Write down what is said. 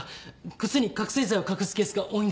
靴に覚醒剤を隠すケースが多いんです。